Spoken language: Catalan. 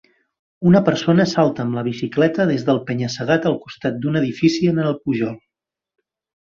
Una persona salta amb la bicicleta des del penya-segat al costat d'un edifici en el pujol.